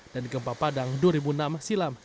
dan di gempa padang dua ribu enam silam